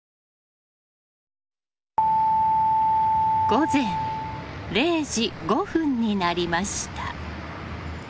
午前０時５分になりました。